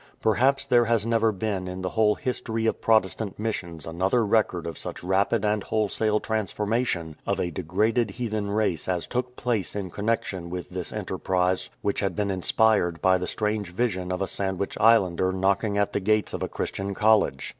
Perhaps there has never been in the whole history of Protestant missions another record of such rapid and wholesale transformation of a degraded heathen race as took place in connexion with this enterprise which had been inspired by the strange vision of a Sandwich Islander knocking at the gates of a Christian college.